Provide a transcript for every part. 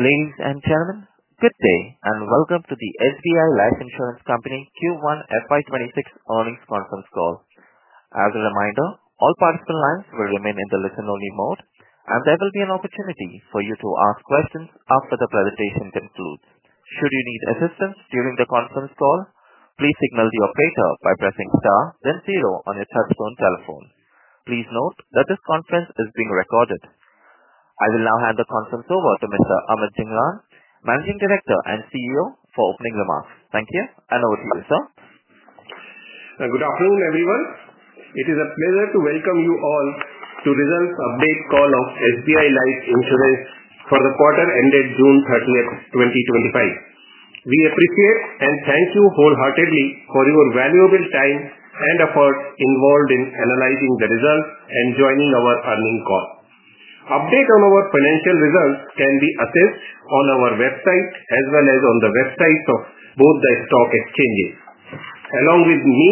Ladies and gentlemen, good day and welcome to the SBI Life Insurance Company Q1 FY26 earnings conference call. As a reminder, all participant lines will remain in the listen-only mode, and there will be an opportunity for you to ask questions after the presentation concludes. Should you need assistance during the conference call, please signal the operator by pressing star, then zero on your touch-tone telephone. Please note that this conference is being recorded. I will now hand the conference over to Mr. Amit Jhingran, Managing Director and CEO, for opening remarks. Thank you, and over to you, sir. Good afternoon, everyone. It is a pleasure to welcome you all to the results update call of SBI Life Insurance for the quarter ended June 30th, 2025. We appreciate and thank you wholeheartedly for your valuable time and effort involved in analyzing the results and joining our earnings call. Updates on our financial results can be accessed on our website as well as on the websites of both the stock exchanges. Along with me,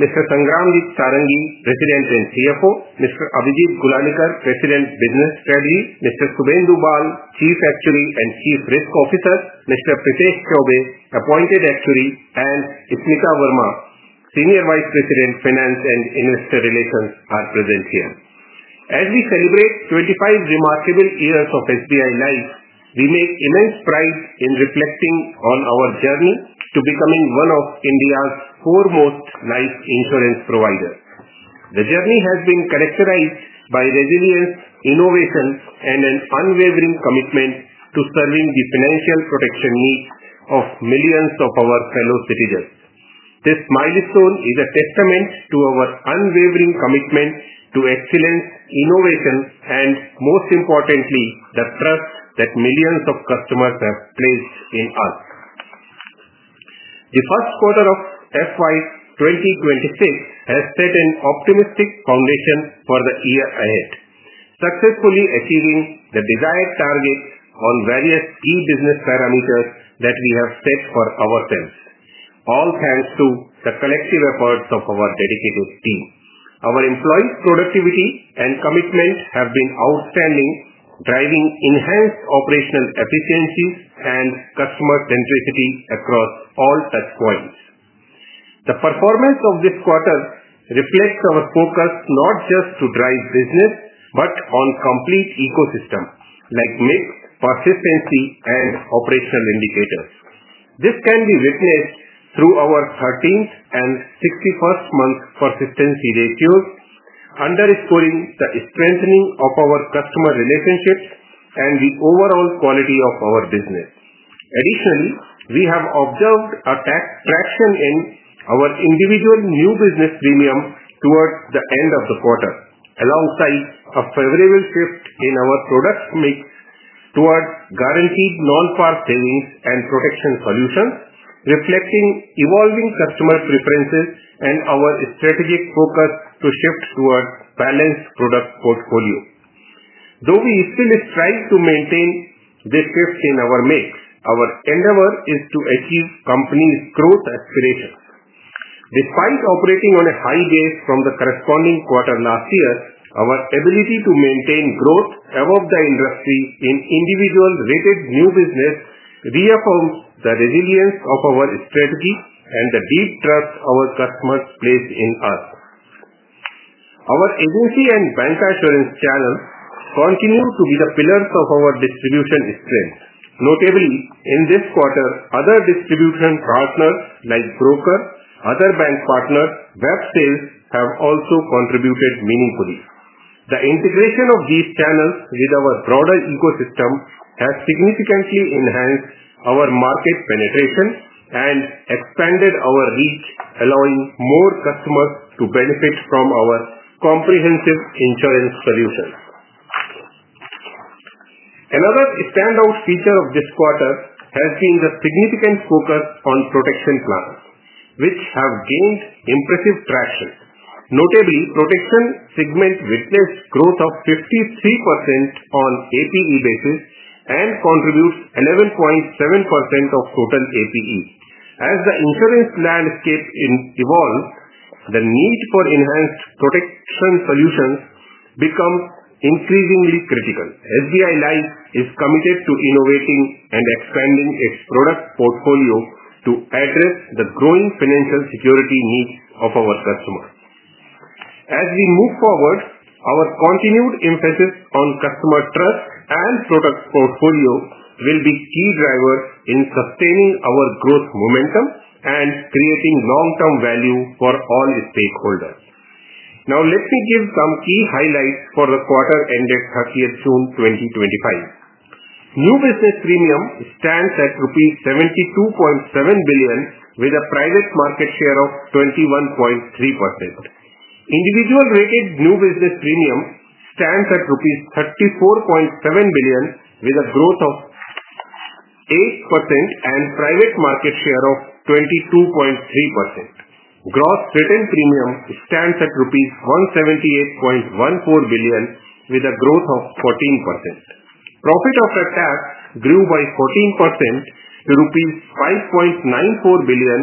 Mr. Sangramjit Sarangi, President and CFO; Mr. Abhijit Gulanikar, President and Business Strategy; Mr. Subhendu Bal, Chief Actuary and Chief Risk Officer; Mr. Prithesh Chaubey, Appointed Actuary; and Smita Verma, Senior Vice President, Finance and Investor Relations, are present here. As we celebrate 25 remarkable years of SBI Life, we take immense pride in reflecting on our journey to becoming one of India's foremost life insurance providers. The journey has been characterized by resilience, innovation, and an unwavering commitment to serving the financial protection needs of millions of our fellow citizens. This milestone is a testament to our unwavering commitment to excellence, innovation, and, most importantly, the trust that millions of customers have placed in us. The 1st quarter of FY 2026 has set an optimistic foundation for the year ahead, successfully achieving the desired targets on various key business parameters that we have set for ourselves, all thanks to the collective efforts of our dedicated team. Our employees' productivity and commitment have been outstanding, driving enhanced operational efficiencies and customer centricity across all touchpoints. The performance of this quarter reflects our focus not just on driving business but on a complete ecosystem like mix, persistency, and operational indicators. This can be witnessed through our 13th and 61st month persistency ratios, underscoring the strengthening of our customer relationships and the overall quality of our business. Additionally, we have observed a traction in our individual new business premium towards the end of the quarter, alongside a favorable shift in our product mix towards guaranteed non-par savings and protection solutions, reflecting evolving customer preferences and our strategic focus to shift towards a balanced product portfolio. Though we still strive to maintain this shift in our mix, our endeavor is to achieve the company's growth aspirations. Despite operating on a high base from the corresponding quarter last year, our ability to maintain growth above the industry in individual rated new business reaffirms the resilience of our strategy and the deep trust our customers place in us. Our agency and bancassurance channels continue to be the pillars of our distribution strength. Notably, in this quarter, other distribution partners like broker, other bank partners, and websales have also contributed meaningfully. The integration of these channels with our broader ecosystem has significantly enhanced our market penetration and expanded our reach, allowing more customers to benefit from our comprehensive insurance solutions. Another standout feature of this quarter has been the significant focus on protection plans, which have gained impressive traction. Notably, the protection segment witnessed growth of 53% on an APE basis and contributed 11.7% of total APE. As the insurance landscape evolved, the need for enhanced protection solutions became increasingly critical. SBI Life is committed to innovating and expanding its product portfolio to address the growing financial security needs of our customers. As we move forward, our continued emphasis on customer trust and product portfolio will be key drivers in sustaining our growth momentum and creating long-term value for all stakeholders. Now, let me give some key highlights for the quarter ended 30 June 2025. New business premium stands at rupees 72.7 billion, with a private market share of 21.3%. Individual rated new business premium stands at 34.7 billion rupees, with a growth of 8%, and private market share of 22.3%. Gross rated premium stands at INR 178.14 billion, with a growth of 14%. Profit after tax grew by 14% to rupees 5.94 billion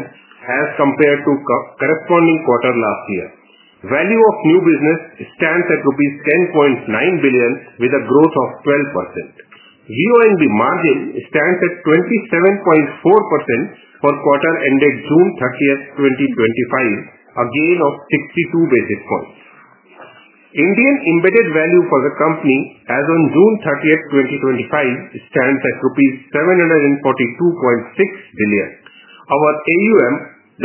as compared to the corresponding quarter last year. Value of New Business stands at 10.9 billion rupees, with a growth of 12%. VoNB margin stands at 27.4% for the quarter ended June 30th 2025, a gain of 62 basis points. Indian Embedded Value for the company, as of June 30th 2025, stands at rupees 742.6 billion. Our AUM,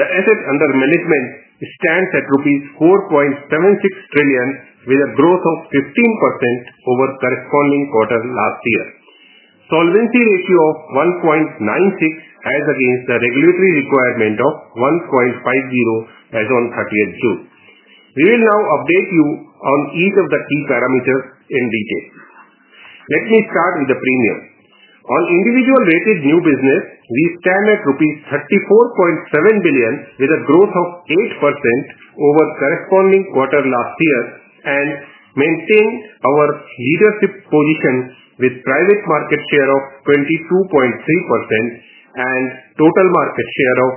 the Assets Under Management, stands at INR 4.76 trillion, with a growth of 15% over the corresponding quarter last year. Solvency ratio of 1.96, as against the regulatory requirement of 1.50 as of 30th June. We will now update you on each of the key parameters in detail. Let me start with the premium. On individual rated new business, we stand at 34.7 billion rupees, with a growth of 8% over the corresponding quarter last year, and maintain our leadership position with a private market share of 22.3% and total market share of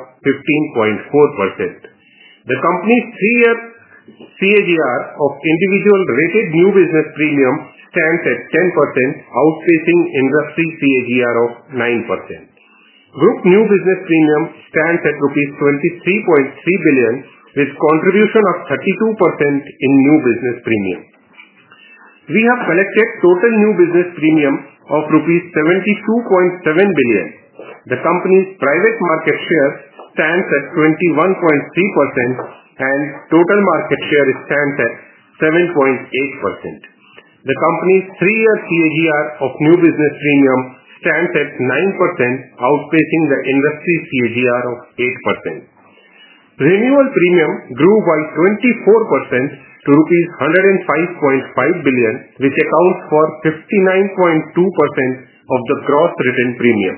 15.4%. The company's three-year CAGR of individual rated new business premium stands at 10%, outpacing industry CAGR of 9%. Group new business premium stands at INR 23.3 billion, with a contribution of 32% in new business premium. We have collected total new business premium of rupees 72.7 billion. The company's private market share stands at 21.3%, and total market share stands at 7.8%. The company's three-year CAGR of new business premium stands at 9%, outpacing the industry CAGR of 8%. Renewal premium grew by 24% to INR 105.5 billion, which accounts for 59.2% of the gross rated premium.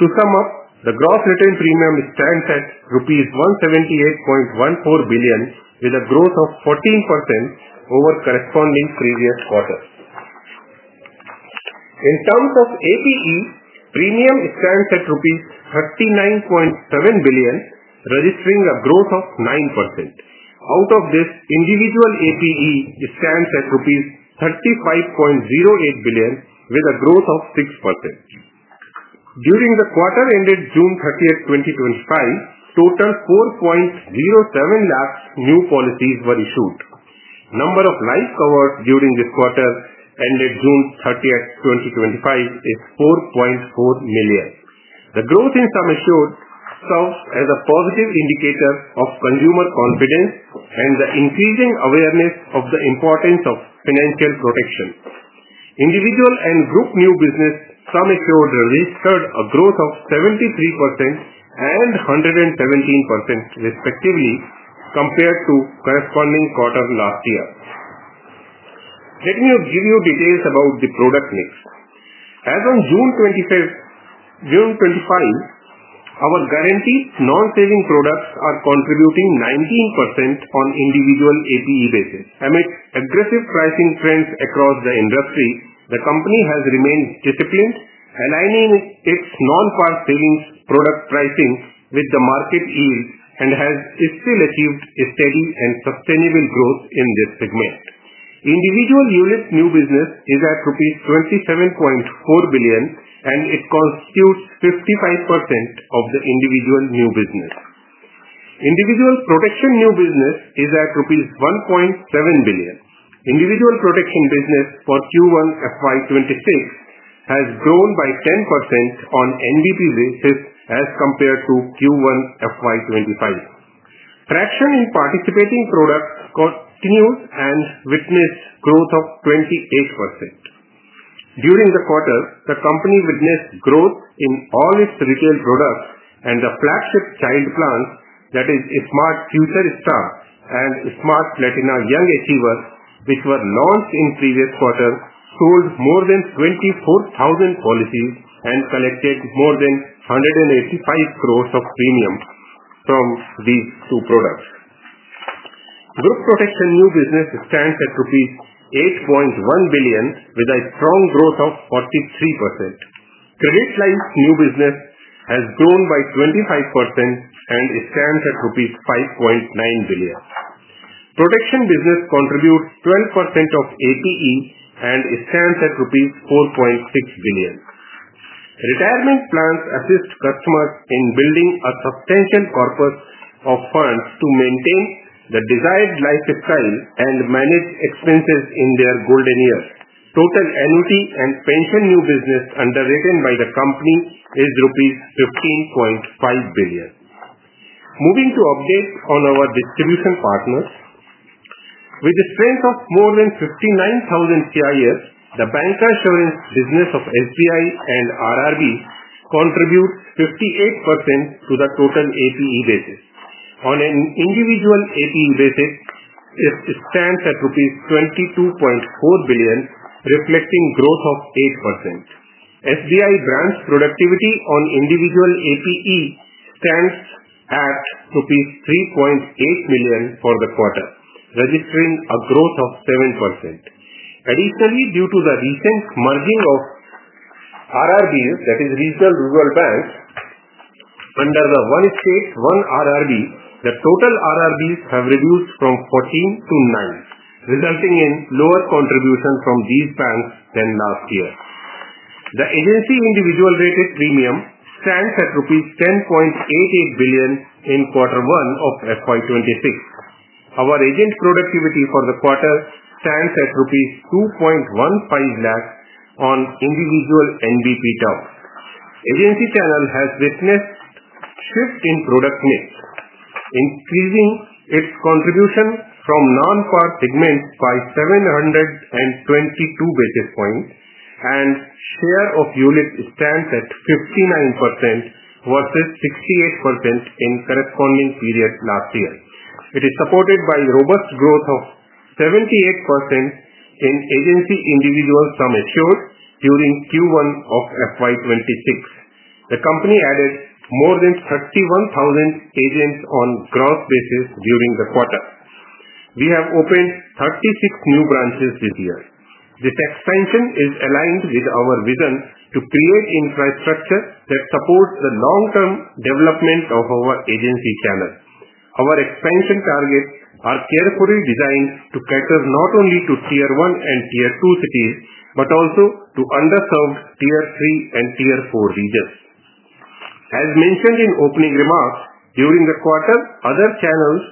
To sum up, the gross rated premium stands at rupees 178.14 billion, with a growth of 14% over the corresponding previous quarter. In terms of APE, premium stands at rupees 39.7 billion, registering a growth of 9%. Out of this, individual APE stands at INR 35.08 billion, with a growth of 6%. During the quarter ended 30 June 2025, a total of 407,000 new policies were issued. The number of life covers during this quarter ended 30 June 2025 is 4.4 million. The growth in sum assured serves as a positive indicator of consumer confidence and the increasing awareness of the importance of financial protection. Individual and group new business sum assured registered a growth of 73% and 117%, respectively, compared to the corresponding quarter last year. Let me give you details about the product mix. As of June 25, 2025, our guaranteed non-savings products are contributing 19% on an individual APE basis. Amid aggressive pricing trends across the industry, the company has remained disciplined, aligning its non-par savings product pricing with the market yield and has still achieved steady and sustainable growth in this segment. Individual unit new business is at rupees 27.4 billion, and it constitutes 55% of the individual new business. Individual protection new business is at rupees 1.7 billion. Individual protection business for Q1 FY26 has grown by 10% on an NBP basis as compared to Q1 FY25. Traction in participating products continues and witnesses a growth of 28%. During the quarter, the company witnessed growth in all its retail products, and the flagship child plans, that is, Smart Future Star and Smart Platina Young Achiever, which were launched in the previous quarter, sold more than 24,000 policies and collected more than 1.85 crores of premium from these two products. Group protection new business stands at 8.1 billion rupees, with a strong growth of 43%. Credit life new business has grown by 25% and stands at rupees 5.9 billion. Protection business contributes 12% of APE and stands at rupees 4.6 billion. Retirement plans assist customers in building a substantial corpus of funds to maintain the desired lifestyle and manage expenses in their golden years. Total annuity and pension new business underwritten by the company is rupees 15.5 billion. Moving to updates on our distribution partners. With the strength of more than 59,000 CIFs, the bancassurance business of SBI and RRB contributes 58% to the total APE basis. On an individual APE basis, it stands at rupees 22.4 billion, reflecting a growth of 8%. SBI branch productivity on individual APE stands at rupees 3.8 million for the quarter, registering a growth of 7%. Additionally, due to the recent merging of RRBs under the One State One RRB, the total Regional Rural Banks have reduced from 14 to 9, resulting in lower contributions from these banks than last year. The agency individual rated premium stands at 10.88 billion rupees in quarter one of FY 2026. Our agent productivity for the quarter stands at rupees 2.15 lakhs on individual NBP terms. The agency channel has witnessed a shift in product mix, increasing its contribution from non-par segments by 722 basis points, and the share of ULIP stands at 59% versus 68% in the corresponding period last year. It is supported by a robust growth of 78% in agency individual sum assured during Q1 of FY 2026. The company added more than 31,000 agents on a gross basis during the quarter. We have opened 36 new branches this year. This expansion is aligned with our vision to create infrastructure that supports the long-term development of our agency channel. Our expansion targets are carefully designed to cater not only to Tier 1 and Tier 2 cities but also to underserved Tier 3 and Tier 4 regions. As mentioned in opening remarks, during the quarter, other channels,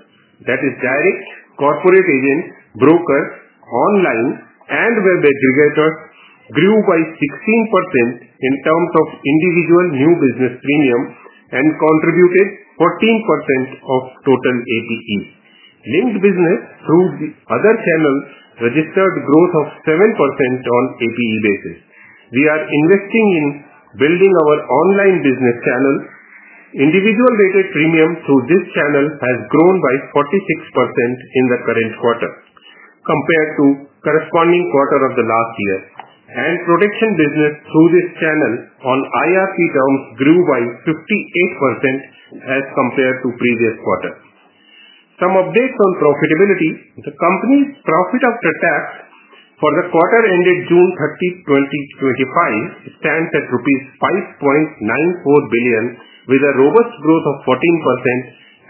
that is, direct corporate agents, brokers, online, and web aggregators, grew by 16% in terms of individual new business premium and contributed 14% of total APE. Linked business through the other channels registered a growth of 7% on an APE basis. We are investing in building our online business channel. Individual rated premium through this channel has grown by 46% in the current quarter compared to the corresponding quarter of last year, and protection business through this channel on IRP terms grew by 58% as compared to the previous quarter. Some updates on profitability: the company's profit after tax for the quarter ended June 30, 2025, stands at rupees 5.94 billion, with a robust growth of 14%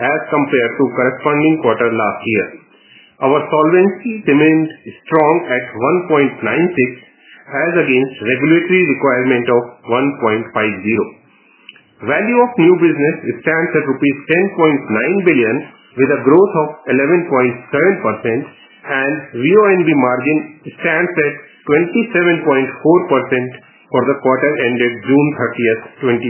as compared to the corresponding quarter last year. Our solvency remained strong at 1.96, as against the regulatory requirement of 1.50. Value of New Business stands at rupees 10.9 billion, with a growth of 11.7%, and VoNB margin stands at 27.4% for the quarter ended June 30th,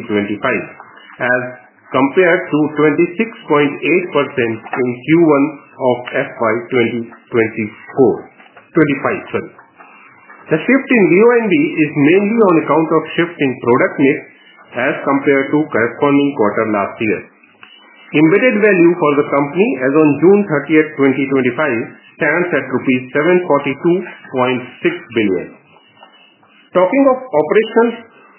2025, as compared to 26.8% in Q1 of FY 2025. The shift in VoNB is mainly on account of the shift in product mix as compared to the corresponding quarter last year. Embedded value for the company as of June 30th, 2025, stands at INR 742.6 billion. Talking of operational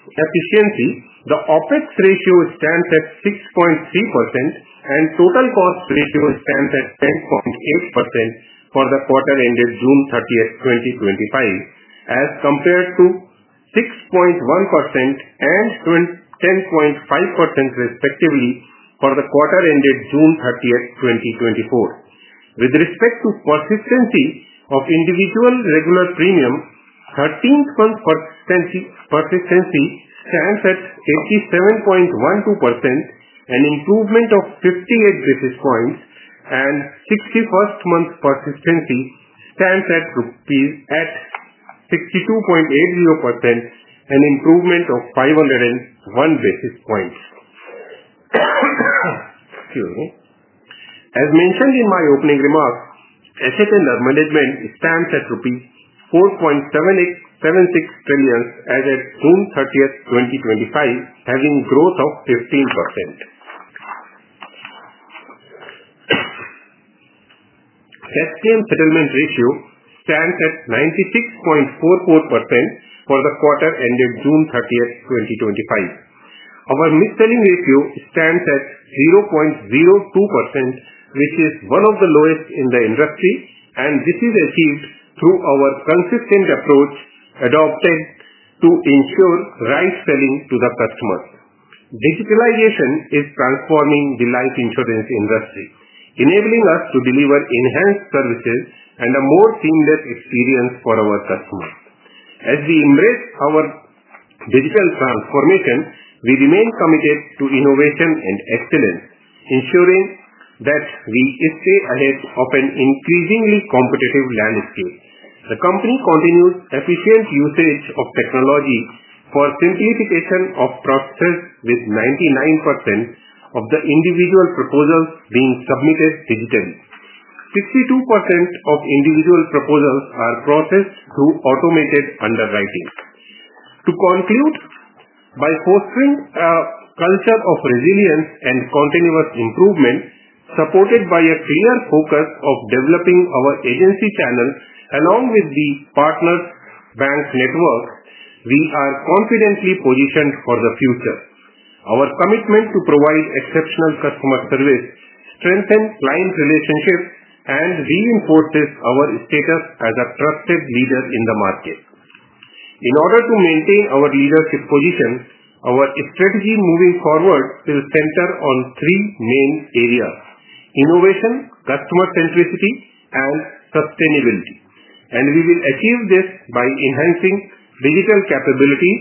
efficiency, the OPEX ratio stands at 6.3%, and the total cost ratio stands at 10.8% for the quarter ended June 30, 2025, as compared to 6.1% and 10.5%, respectively, for the quarter ended June 30th, 2024. With respect to the persistency of individual regular premium, the 13th Month Persistency stands at 87.12%, an improvement of 58 basis points, and the 61st Month Persistency stands at 62.80%, an improvement of 501 basis points. As mentioned in my opening remarks, Assets Under Management stands at INR 4.76 trillion as of June 30th, 2025, having a growth of 15%. Death claim settlement ratio stands at 96.44% for the quarter ended June 30th, 2025. Our mis-selling ratio stands at 0.02%, which is one of the lowest in the industry, and this is achieved through our consistent approach adopted to ensure right selling to the customers. Digitalization is transforming the life insurance industry, enabling us to deliver enhanced services and a more seamless experience for our customers. As we embrace our digital transformation, we remain committed to innovation and excellence, ensuring that we stay ahead of an increasingly competitive landscape. The company continues efficient usage of technology for the simplification of processes, with 99% of the individual proposals being submitted digitally. 62% of individual proposals are processed through automated underwriting. To conclude, by fostering a culture of resilience and continuous improvement, supported by a clear focus on developing our agency channel along with the partner bank networks, we are confidently positioned for the future. Our commitment to provide exceptional customer service strengthens client relationships and reinforces our status as a trusted leader in the market. In order to maintain our leadership position, our strategy moving forward will center on three main areas: innovation, customer centricity, and sustainability. We will achieve this by enhancing digital capabilities,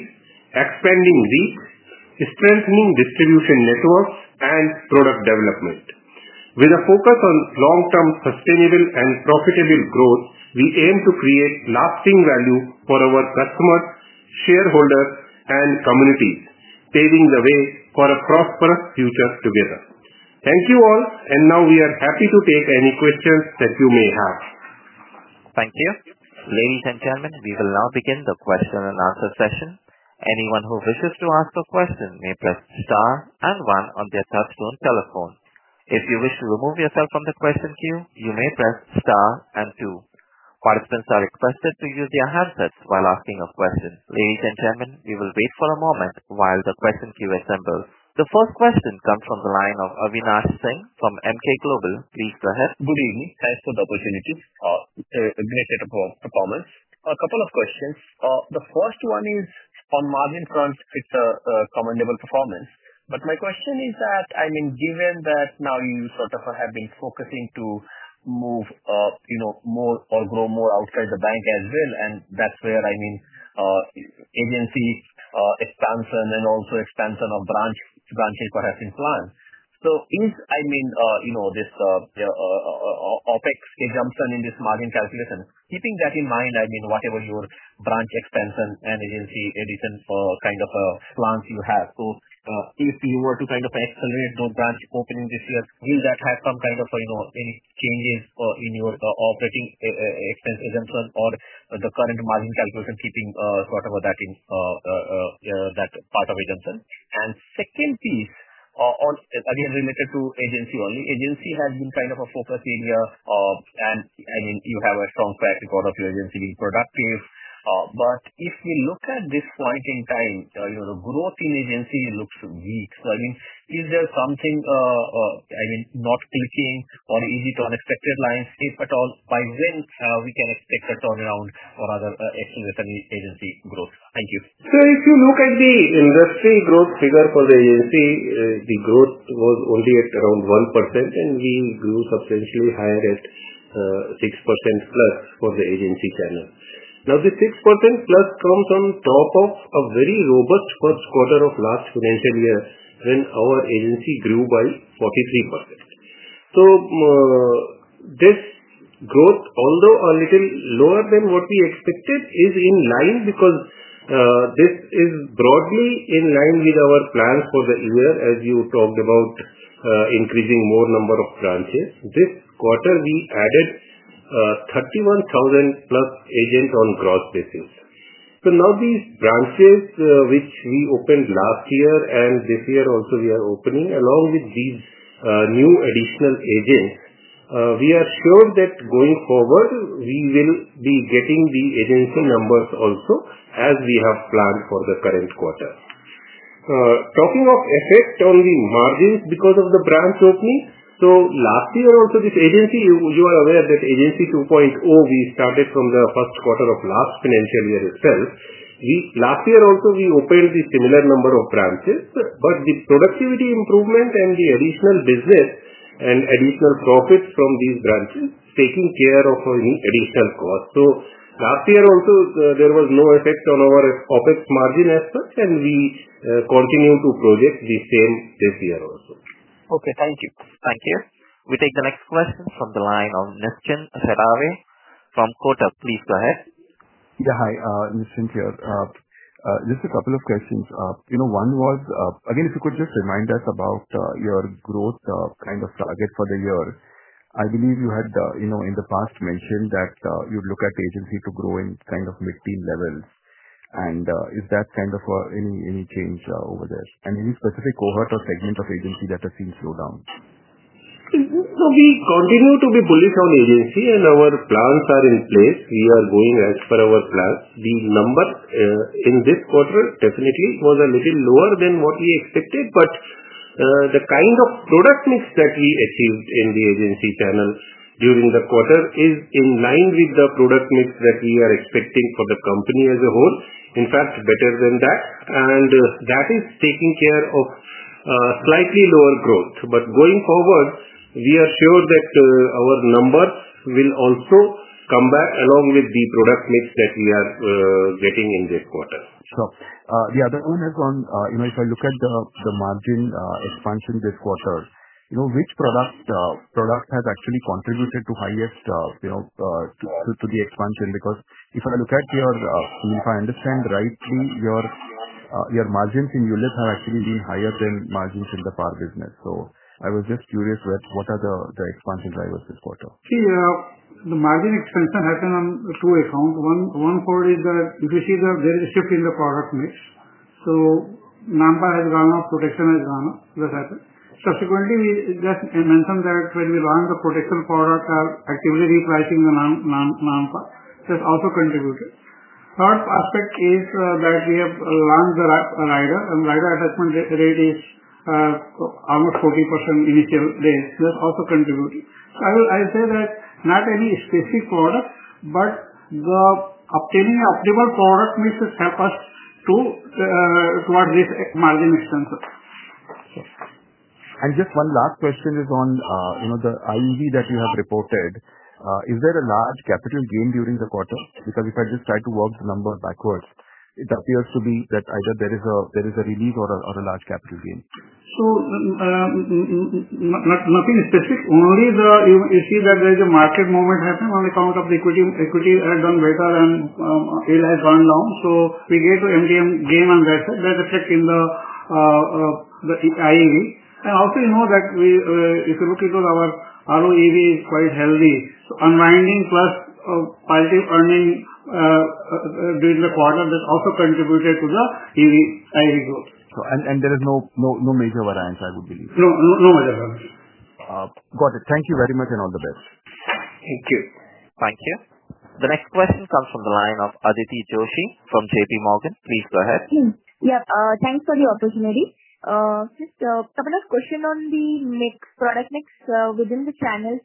expanding reach, strengthening distribution networks, and product development. With a focus on long-term sustainable and profitable growth, we aim to create lasting value for our customers, shareholders, and communities, paving the way for a prosperous future together. Thank you all, and now we are happy to take any questions that you may have. Thank you. Ladies and gentlemen, we will now begin the question and answer session. Anyone who wishes to ask a question may press Star and 1 on their touchstone telephone. If you wish to remove yourself from the question queue, you may press Star and 2. Participants are requested to use their handsets while asking a question. Ladies and gentlemen, we will wait for a moment while the question queue assembles. The first question comes from the line of Avinash Singh from Emkay Global. Please go ahead. Good evening. Thanks for the opportunity. It's a great set of performance. A couple of questions. The first one is, on the margin front, it's a commendable performance. My question is that, I mean, given that now you sort of have been focusing to move more or grow more outside the bank as well, and that's where, I mean, agency expansion and also expansion of branches perhaps in plan. Is, I mean, this OpEx, it jumps in this margin calculation. Keeping that in mind, I mean, whatever your branch expansion and agency addition kind of plans you have. If you were to kind of accelerate those branch openings this year, will that have some kind of any changes in your operating expense exemption or the current margin calculation keeping sort of that part of exemption? The second piece, again, related to agency only, agency has been kind of a focus area. I mean, you have a strong track record of your agency being productive. If we look at this point in time, the growth in agency looks weak. Is there something, I mean, not clicking or easy to unexpected lines at all? By when can we expect a turnaround or other acceleration in agency growth? Thank you. If you look at the industry growth figure for the agency, the growth was only at around 1%, and we grew substantially higher at 6% plus for the agency channel. Now, the 6% plus comes on top of a very robust first quarter of last financial year when our agency grew by 43%. This growth, although a little lower than what we expected, is in line because this is broadly in line with our plans for the year. As you talked about. Increasing more number of branches, this quarter we added. 31,000 plus agents on gross basis. So now these branches which we opened last year and this year also we are opening, along with these new additional agents, we are sure that going forward we will be getting the agency numbers also as we have planned for the current quarter. Talking of effect on the margins because of the branch opening, last year also this agency, you are aware that Agency 2.0 we started from the first quarter of last financial year itself. Last year also we opened the similar number of branches, but the productivity improvement and the additional business and additional profits from these branches taking care of any additional costs. Last year also there was no effect on our OPEX margin aspect, and we continue to project the same this year also. Okay. Thank you. Thank you. We take the next question from the line of Nischint Chawathe from Kotak. Please go ahead. Yeah. Hi, Nishkhun here. Just a couple of questions. One was, again, if you could just remind us about your growth kind of target for the year. I believe you had, in the past, mentioned that you'd look at the agency to grow in kind of mid-teen levels. And is that kind of any change over there? And any specific cohort or segment of agency that has seen slow down? We continue to be bullish on agency, and our plans are in place. We are going as per our plans. The number in this quarter definitely was a little lower than what we expected, but the kind of product mix that we achieved in the agency channel during the quarter is in line with the product mix that we are expecting for the company as a whole, in fact, better than that. That is taking care of slightly lower growth. Going forward, we are sure that our numbers will also come back along with the product mix that we are getting in this quarter. Sure. The other one is on, if I look at the margin expansion this quarter, which product has actually contributed to highest to the expansion? Because if I look at your, if I understand rightly, your margins in ULIP have actually been higher than margins in the PAR business. I was just curious, what are the expansion drivers this quarter? The margin expansion happened on two accounts. One part is that if you see the shift in the product mix, So manpower has gone up, protection has gone up. That happened. Subsequently, we just mentioned that when we launched the protection product, actively repricing the NAMPA, that also contributed. Third aspect is that we have launched the RIDER, and RIDER attachment rate is almost 40% initial rate. That also contributed. I will say that not any specific product, but obtaining an optimal product mix has helped us towards this margin expansion. Just one last question is on the IEV that you have reported. Is there a large capital gain during the quarter? Because if I just try to work the number backwards, it appears to be that either there is a release or a large capital gain. Nothing specific. Only, you see that there is a market movement happened on account of the equity had done better and it has gone down. So we get to MTM gain on that side. That affects in the IEV. Also, you know that if you look into our ROEV, it is quite healthy. Unwinding plus positive earning during the quarter, that also contributed to the IEV growth. There is no major variance, I would believe. No, no major variance. Got it. Thank you very much and all the best. Thank you. Thank you. The next question comes from the line of Aditi Joshi from JP Morgan. Please go ahead. Yep. Thanks for the opportunity. Just a couple of questions on the product mix within the channel.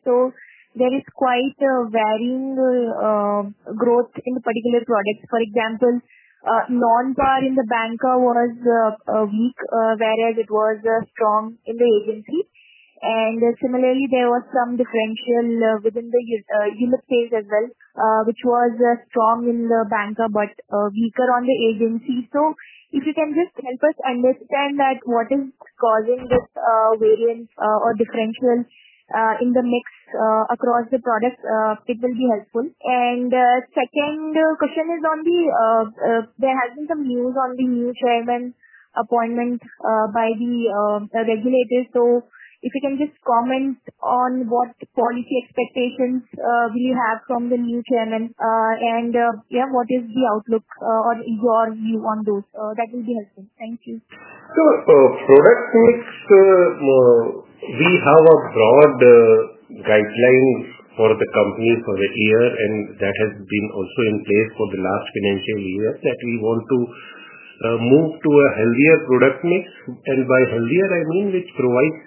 There is quite a varying growth in the particular products. For example, non-PAR in the banker was weak, whereas it was strong in the agency. Similarly, there was some differential within the ULIP sales as well, which was strong in the banker but weaker on the agency. If you can just help us understand what is causing this variance or differential in the mix across the products, it will be helpful. Second question is on the, there has been some news on the new chairman appointment by the regulator. If you can just comment on what policy expectations you will have from the new chairman and what is the outlook or your view on those, that will be helpful. Thank you. Product mix, we have a broad guideline for the company for the year, and that has been also in place for the last financial year that we want to move to a healthier product mix. By healthier, I mean which provides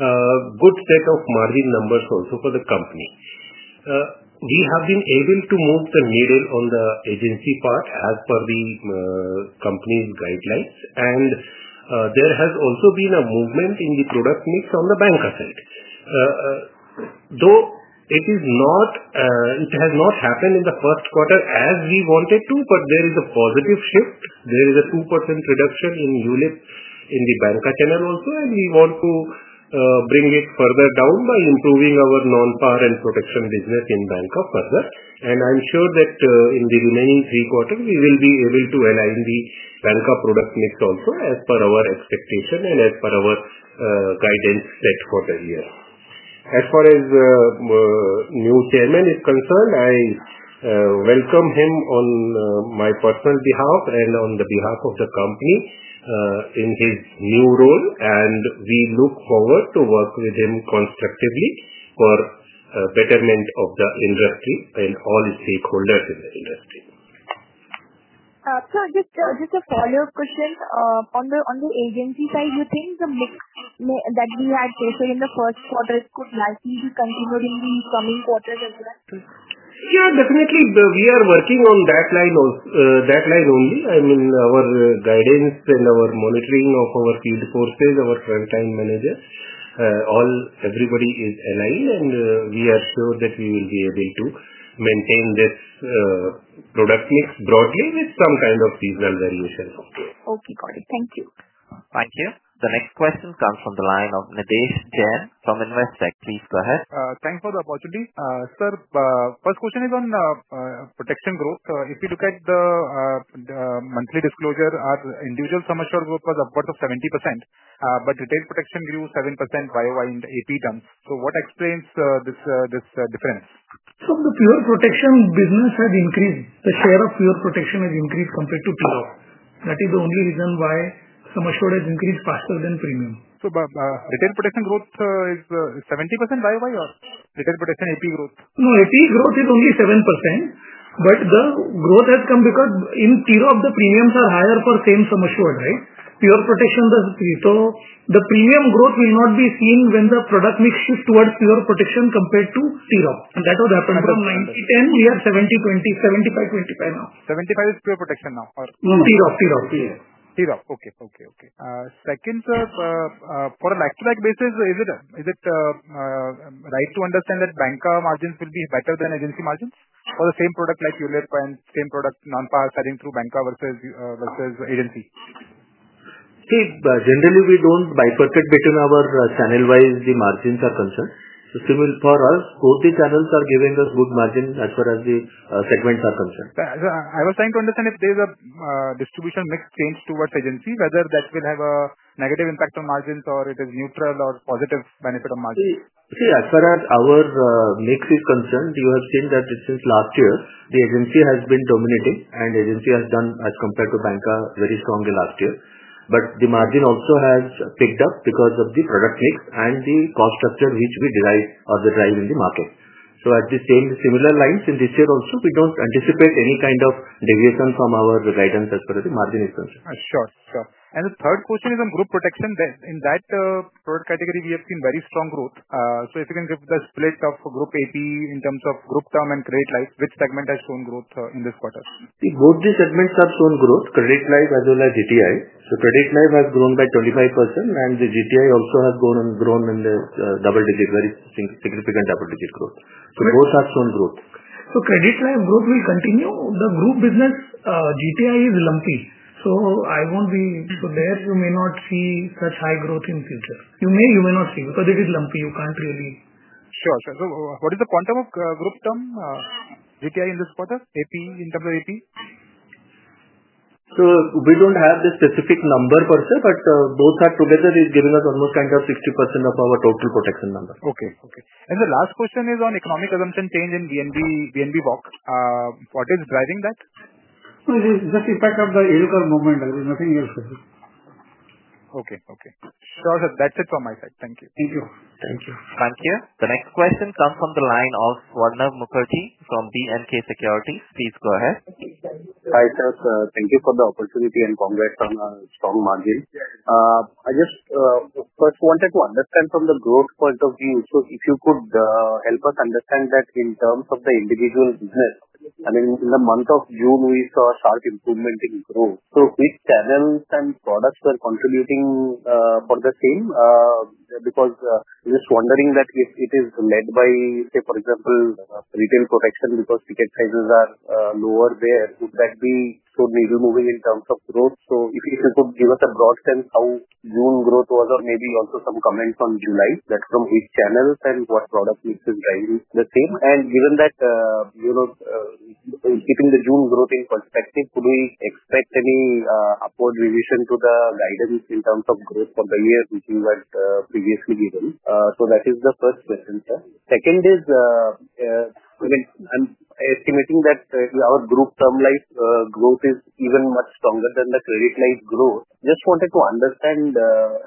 a good set of margin numbers also for the company. We have been able to move the needle on the agency part as per the company's guidelines. There has also been a movement in the product mix on the banker side. Though it has not happened in the first quarter as we wanted to, there is a positive shift. There is a 2% reduction in units in the banker channel also, and we want to bring it further down by improving our non-PAR and protection business in banker further. I am sure that in the remaining three quarters, we will be able to align the banker product mix also as per our expectation and as per our guidance set for the year. As far as the new chairman is concerned, I welcome him on my personal behalf and on the behalf of the company. In his new role, and we look forward to work with him constructively for betterment of the industry and all stakeholders in the industry. Just a follow-up question. On the agency side, you think the mix that we had posted in the first quarter could likely be continued in the coming quarters as well? Yeah. Definitely. We are working on that line only. I mean, our guidance and our monitoring of our field forces, our frontline managers. Everybody is aligned, and we are sure that we will be able to maintain this product mix broadly with some kind of seasonal variations. Okay. Got it. Thank you. Thank you. The next question comes from the line of Nidhesh Jain from Investec. Please go ahead. Thanks for the opportunity. Sir, first question is on protection growth. If you look at the monthly disclosure, our individual sum assured growth was upwards of 70%, but retail protection grew 7% by Y-o-Y in APE terms. So what explains this difference? So the pure protection business has increased. The share of pure protection has increased compared to pure. That is the only reason why sum assured has increased faster than premium. So retail protection growth is 70% by Y-o-Y or retail protection APE growth? No, APE growth is only 7%, but the growth has come because in TROP, the premiums are higher for same sum assured, right? Pure protection does not create. So the premium growth will not be seen when the product mix shifts towards pure protection compared to TROP. And that was happened from 90%-10%. We are 70%-20%, 75%-25% now. 75 is pure protection now or? No, TROP. TROP. TROP. Okay. Okay. Okay. Second, sir, for a back-to-back basis, is it right to understand that banker margins will be better than agency margins for the same product like ULIP and same product non-PAR selling through banker versus agency? See, generally, we do not bifurcate between our channel-wise the margins are concerned. So for us, both the channels are giving us good margins as far as the segments are concerned. I was trying to understand if there is a distribution mix change towards agency, whether that will have a negative impact on margins or it is neutral or positive benefit of margins. See, as far as our mix is concerned, you have seen that since last year, the agency has been dominating, and agency has done, as compared to banker, very strongly last year. But the margin also has picked up because of the product mix and the cost structure which we derive or the drive in the market. At the same similar lines, in this year also, we do not anticipate any kind of deviation from our guidance as per the margin expense. Sure. Sure. And the third question is on group protection. In that product category, we have seen very strong growth. If you can give the split of group AP in terms of group term and credit life, which segment has shown growth in this quarter? Both the segments have shown growth. Credit life as well as GTI. Credit life has grown by 25%, and the GTI also has grown in the double digit, very significant double digit growth. Both have shown growth. Credit life growth will continue. The group business GTI is lumpy. There you may not see such high growth in future. You may or may not see because it is lumpy. You cannot really. Sure. Sure. What is the quantum of group term GTI in this quarter? AP in terms of AP? We do not have the specific number per se, but both together is giving us almost kind of 60% of our total protection number. Okay. Okay. The last question is on economic assumption change in VNB book. What is driving that? It is just impact of the helical movement. There is nothing else. Okay. Okay. Sure, sir. That is it from my side. Thank you. Thank you. Thank you. Thank you. The next question comes from the line of Swarnabha Mukherjee from B&K Security. Please go ahead. Hi, sir. Thank you for the opportunity and congrats on a strong margin. I just first wanted to understand from the growth point of view, if you could help us understand that in terms of the individual business. I mean, in the month of June, we saw a sharp improvement in growth. Which channels and products were contributing for the same? I am just wondering that if it is led by, say, for example, retail protection because ticket sizes are lower there, would that be so needle moving in terms of growth? If you could give us a broad sense how June growth was or maybe also some comments on July, from which channels and what product mix is driving the same. Given that, keeping the June growth in perspective, could we expect any upward revision to the guidance in terms of growth for the year which you had previously given? That is the first question, sir. Second is, I am estimating that our Group Term Life growth is even much stronger than the credit life growth. Just wanted to understand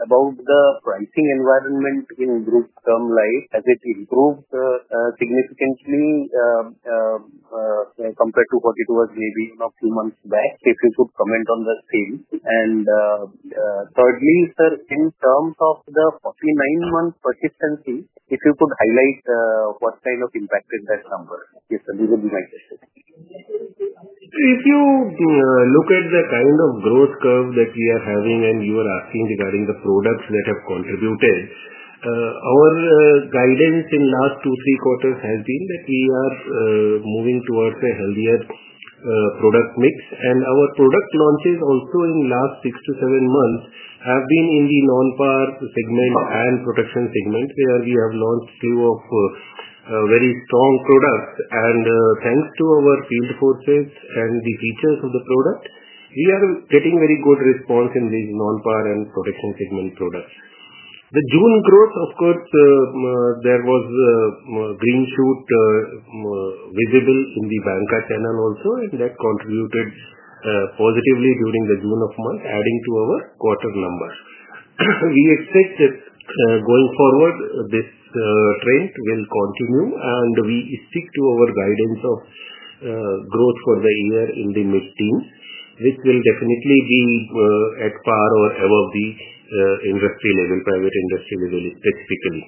about the pricing environment in Group Term Life, has it improved significantly compared to what it was maybe a few months back? If you could comment on the same. Thirdly, sir, in terms of the 49-month persistency, if you could highlight what kind of impact is that number? Yes, sir. These will be my questions. If you look at the kind of growth curve that we are having and you are asking regarding the products that have contributed. Our guidance in the last two, three quarters has been that we are moving towards a healthier product mix. Our product launches also in the last six to seven months have been in the non-PAR segment and protection segment where we have launched a few very strong products. Thanks to our field forces and the features of the product, we are getting very good response in these non-PAR and protection segment products. The June growth, of course, there was a green shoot visible in the banker channel also, and that contributed positively during the month of June, adding to our quarter numbers. We expect that going forward, this trend will continue, and we stick to our guidance of growth for the year in the mid-teens, which will definitely be at par or above the industry level, private industry level specifically.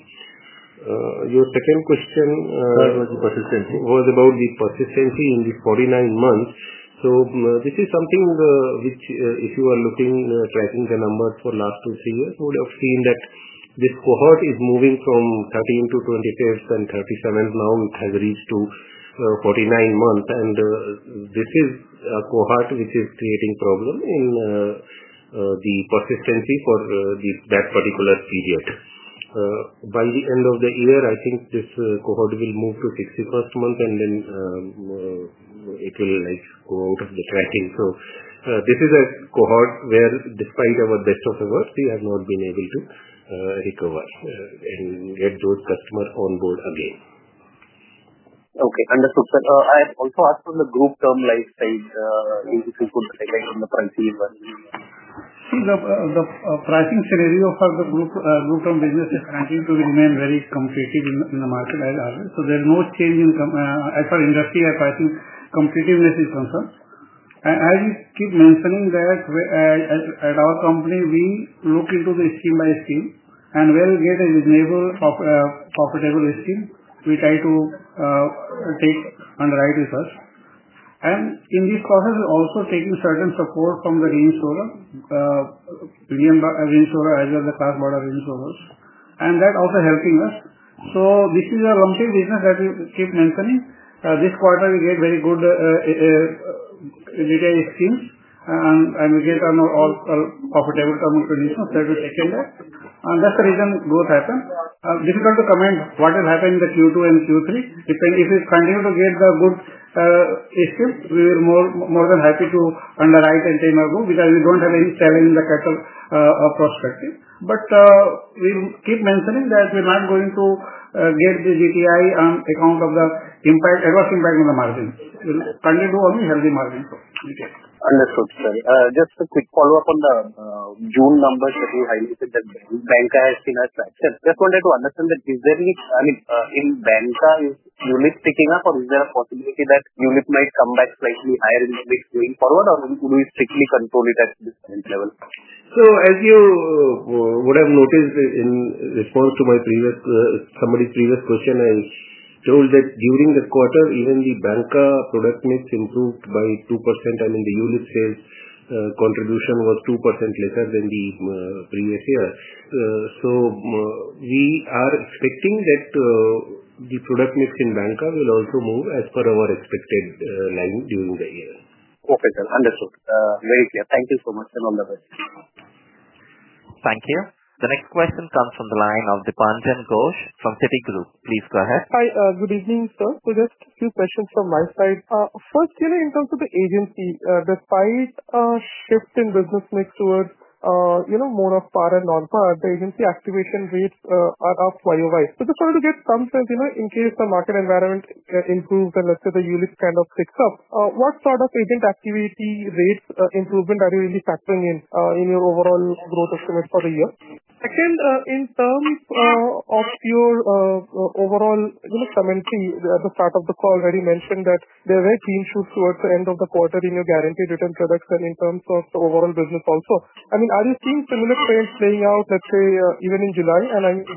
Your second question was about the persistency in these 49 months. This is something which, if you are tracking the numbers for the last two, three years, you would have seen that this cohort is moving from 13th to 25th and 37th. Now it has reached 49 months. This is a cohort which is creating problems in the persistency for that particular period. By the end of the year, I think this cohort will move to the 61st month, and then it will go out of the tracking. This is a cohort where, despite our best efforts, we have not been able to recover and get those customers on board again. Okay. Understood, sir. I have also asked for the group term life side, if you could highlight on the pricing as well. See, the pricing scenario for the group term business is continuing to remain very competitive in the market as always. There is no change as far as industry or pricing competitiveness is concerned. As you keep mentioning, at our company, we look into the scheme by scheme, and when we get a reasonable, profitable scheme, we try to take on the right research. In this process, we are also taking certain support from the green shore premium green shore as well as the class board of green shores, and that is also helping us. This is a lumpy business that we keep mentioning. This quarter, we get very good retail schemes, and we get on all profitable term conditions. That will take care of that, and that is the reason growth happened. Difficult to comment what will happen in Q2 and Q3. If we continue to get the good scheme, we will be more than happy to underwrite and take our group because we do not have any challenge in the capital prospecting. We keep mentioning that we are not going to get the GTI on account of the adverse impact on the margins. We will continue to only have the margins for GTI. Understood, sir. Just a quick follow-up on the June numbers that you highlighted that banker has seen as well. Just wanted to understand that is there any, I mean, in banker, is ULIP picking up, or is there a possibility that ULIP might come back slightly higher in the mix going forward, or do we strictly control it at this current level? As you would have noticed in response to somebody's previous question, I told that during the quarter, even the banker product mix improved by 2%. I mean, the ULIP sales contribution was 2% lesser than the previous year. We are expecting that the product mix in banker will also move as per our expected line during the year. Okay, sir. Understood. Very clear. Thank you so much, sir, on that one. Thank you. The next question comes from the line of Dipanjan Ghosh from Citigroup. Please go ahead. Hi. Good evening, sir. Just a few questions from my side. First, in terms of the agency, despite a shift in business mix towards more of PAR and non-PAR, the agency activation rates are up Y-o-Y. Just wanted to get some sense in case the market environment improves and let's say the ULIP kind of picks up, what sort of agent activity rates improvement are you really factoring in in your overall growth estimate for the year? Second, in terms of your overall commentary, at the start of the call, I already mentioned that there were green shoots towards the end of the quarter in your guaranteed retail products. In terms of the overall business also, I mean, are you seeing similar trends playing out, let's say, even in July?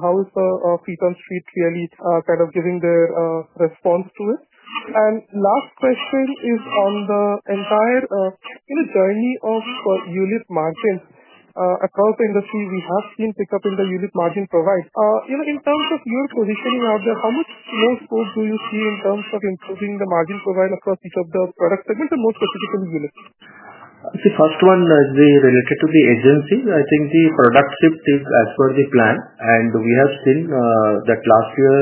How is the fee terms street really kind of giving their response to it? Last question is on the entire journey of ULIP margins. Across the industry, we have seen pickup in the ULIP margin profile. In terms of your positioning out there, how much more scope do you see in terms of improving the margin profile across each of the product segments, and more specifically ULIP? See, first one, as we related to the agency, I think the product shift is as per the plan. We have seen that last year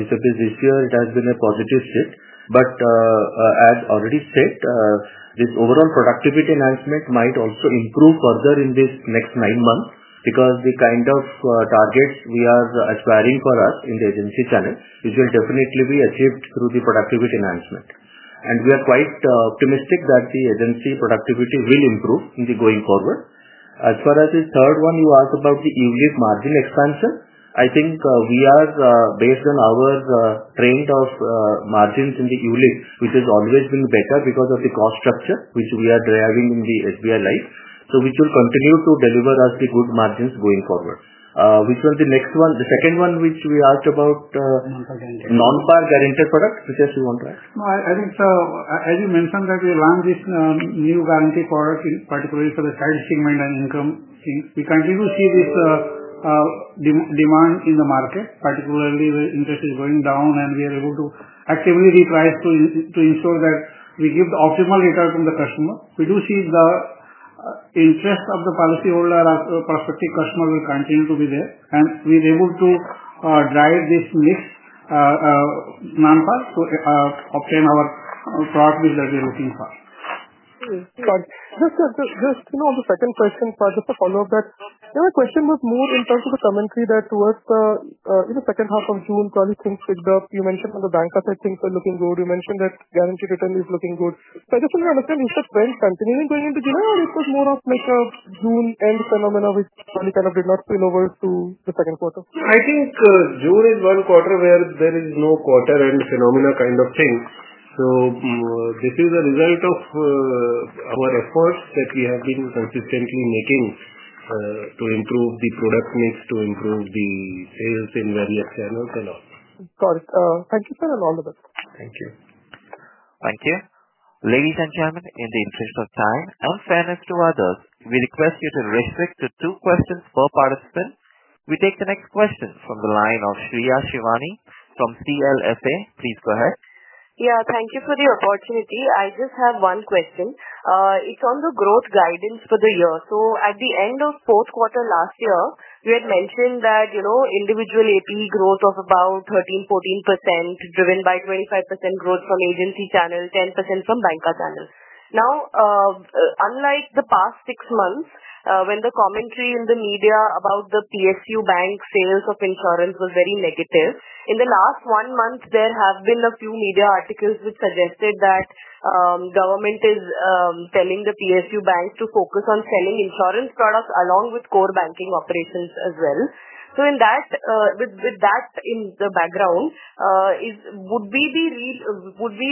vis-à-vis this year, it has been a positive shift. As already said, this overall productivity enhancement might also improve further in these next nine months because the kind of targets we are aspiring for us in the agency channel which will definitely be achieved through the productivity enhancement. We are quite optimistic that the agency productivity will improve in the going forward. As far as the third one, you asked about the ULIP margin expansion. I think we are, based on our trend of margins in the ULIP, which has always been better because of the cost structure which we are driving in the SBI Life, so which will continue to deliver us the good margins going forward. Which was the next one? The second one which you asked about. Non-PAR guaranteed products. Non-PAR guaranteed products. Yes, you want to ask? No, I think, sir, as you mentioned that we launched this new guaranteed product, particularly for the side segment and income things, we continue to see this demand in the market, particularly where interest is going down, and we are able to actively reprice to ensure that we give the optimal return to the customer. We do see the interest of the policyholder or prospective customer will continue to be there. And we are able to drive this mix. Non-PAR to obtain our product mix that we are looking for. Sorry. Just on the second question, just a follow-up that my question was more in terms of the commentary that towards the second half of June, probably things picked up. You mentioned on the banker side, things were looking good. You mentioned that guaranteed return is looking good. I just wanted to understand, is that trend continuing going into July, or it was more of like a June-end phenomena which probably kind of did not spill over to the 2nd quarter? I think June is one quarter where there is no quarter-end phenomena kind of thing. This is a result of our efforts that we have been consistently making to improve the product mix, to improve the sales in various channels and all. Got it. Thank you, sir, on all of it. Thank you. Thank you. Ladies and gentlemen, in the interest of time and fairness to others, we request you to restrict to two questions per participant. We take the next question from the line of Shreya Shivani from CLSA. Please go ahead. Yeah. Thank you for the opportunity. I just have one question. It's on the growth guidance for the year. At the end of fourth quarter last year, we had mentioned that individual APE growth of about 13-14% driven by 25% growth from agency channel, 10% from banker channel. Now, unlike the past six months, when the commentary in the media about the PSU bank sales of insurance was very negative, in the last one month, there have been a few media articles which suggested that government is telling the PSU bank to focus on selling insurance products along with core banking operations as well. With that in the background, would we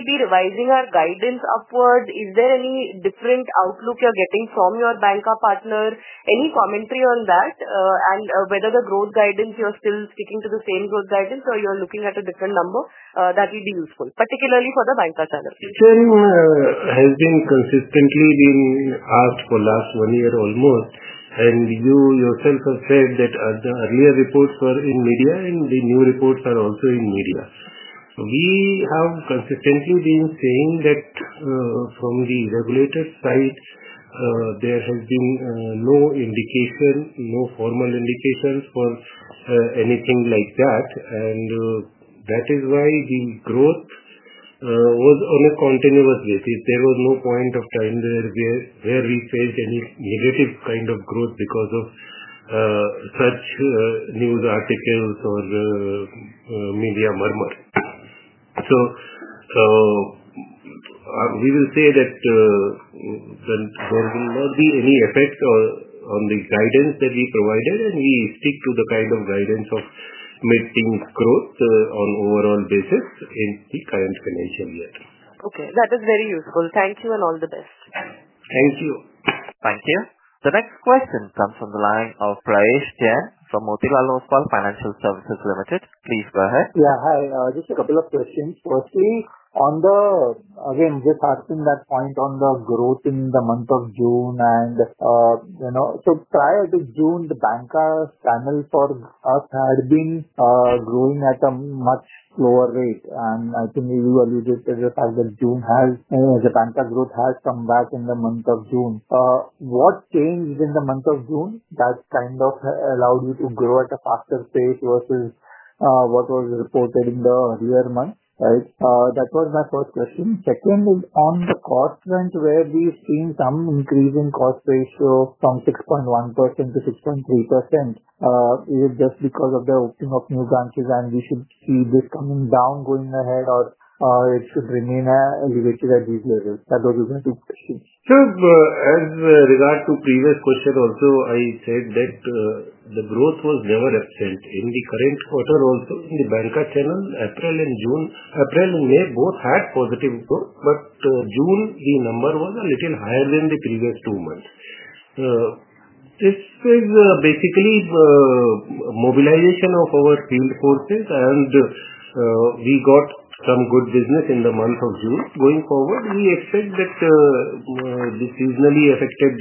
be revising our guidance upward? Is there any different outlook you're getting from your banker partner? Any commentary on that? And whether the growth guidance, you're still sticking to the same growth guidance, or you're looking at a different number, that would be useful, particularly for the banker channel. This term has been consistently being asked for the last one year almost. You yourself have said that the earlier reports were in media, and the new reports are also in media. We have consistently been saying that from the regulator side, there has been no indication, no formal indication for anything like that. And that is why the growth. Was on a continuous basis. There was no point of time where we faced any negative kind of growth because of such news articles or media murmur. We will say that there will not be any effect on the guidance that we provided, and we stick to the kind of guidance of mid-teens growth on an overall basis in the current financial year. Okay. That is very useful. Thank you, and all the best. Thank you. Thank you. The next question comes from the line of Prahesh Jain from Motilal Oswal Financial Services Limited. Please go ahead. Yeah. Hi. Just a couple of questions. Firstly, again, just asking that point on the growth in the month of June. Prior to June, the banker channel for us had been growing at a much slower rate. I think you alluded to the fact that June, the banker growth has come back in the month of June. What changed in the month of June that kind of allowed you to grow at a faster pace versus what was reported in the earlier months? Right? That was my first question. Second is on the cost trend, where we've seen some increase in cost ratio from 6.1% to 6.3%. Is it just because of the opening of new branches, and we should see this coming down going ahead, or it should remain elevated at these levels? That was my two questions. So, as regard to the previous question also, I said that the growth was never absent. In the current quarter also, in the banker channel, April and May both had positive growth, but June, the number was a little higher than the previous two months. This is basically mobilization of our field forces, and we got some good business in the month of June. Going forward, we expect that this seasonally affected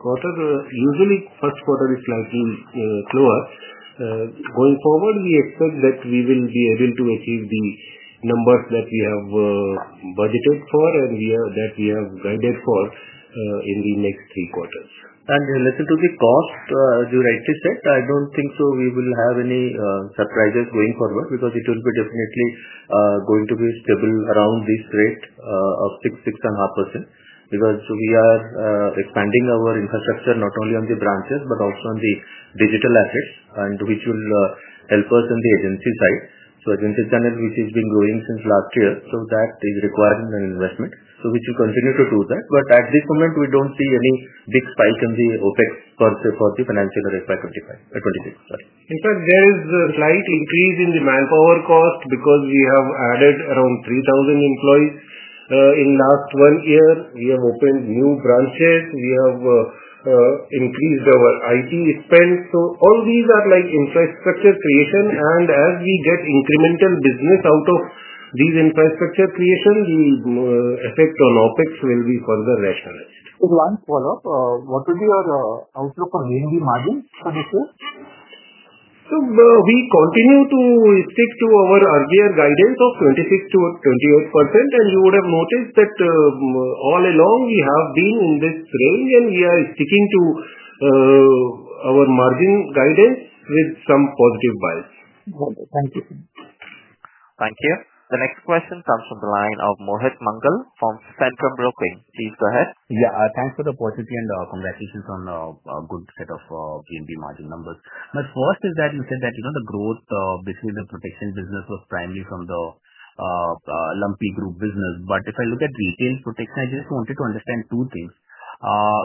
quarter, usually first quarter is slightly slower. Going forward, we expect that we will be able to achieve the numbers that we have budgeted for and that we have guided for in the next three quarters. Related to the cost, as you rightly said, I do not think we will have any surprises going forward because it will be definitely going to be stable around this rate of 6-6.5% because we are expanding our infrastructure not only on the branches but also on the digital assets, which will help us in the agency side. Agency channel, which has been growing since last year, that is requiring an investment. We should continue to do that. At this moment, we do not see any big spike in the OPEX per se for the financial year 2025. Sorry. In fact, there is a slight increase in the manpower cost because we have added around 3,000 employees in the last one year. We have opened new branches. We have increased our IT spend. All these are like infrastructure creation. As we get incremental business out of these infrastructure creation, the effect on OPEX will be further rationalized. One follow-up. What will be your outlook for VNB margin for this year? We continue to stick to our earlier guidance of 26-28%. You would have noticed that all along, we have been in this range, and we are sticking to our margin guidance with some positive bias. Got it. Thank you. Thank you. The next question comes from the line of Mohit Mangal from Centrum Broking. Please go ahead. Yeah. Thanks for the opportunity and congratulations on a good set of VNB margin numbers. My first is that you said that the growth between the protection business was primarily from the lumpy group business. If I look at retail protection, I just wanted to understand two things.